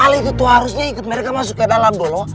kalau itu tuh harusnya ikut mereka masuk ke dalam dulu